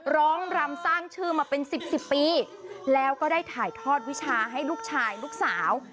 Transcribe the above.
รำสร้างชื่อมาเป็นสิบสิบปีแล้วก็ได้ถ่ายทอดวิชาให้ลูกชายลูกสาว